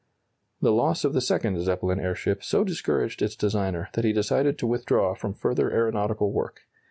The loss of the second Zeppelin airship so discouraged its designer that he decided to withdraw from further aeronautical work.